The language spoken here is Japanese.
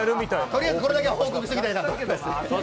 とりあえずこれだけは報告しておきたいなと。